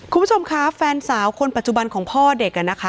คุณผู้ชมคะแฟนสาวคนปัจจุบันของพ่อเด็กนะคะ